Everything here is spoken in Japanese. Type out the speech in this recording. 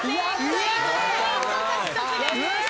５ポイント獲得です。